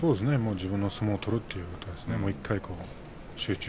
自分の相撲を取るということですね